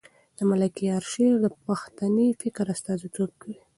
د ملکیار شعر د پښتني فکر استازیتوب کوي.